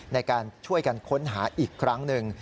ในการช่วยกันค้นหาอีกครั้งหนึ่ง